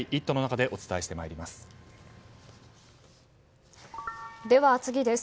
では、次です。